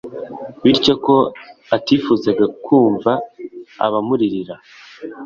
bityo ko atifuzaga kwumva abamuririra